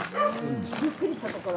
びっくりしたところ。